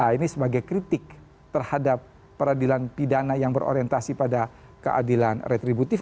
ini sebagai kritik terhadap peradilan pidana yang berorientasi pada keadilan retributif